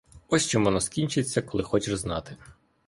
Ось чим воно скінчиться, коли хочеш знати.